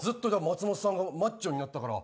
松本さんがマッチョになったから。